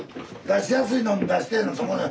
出しやすいのん出してえな。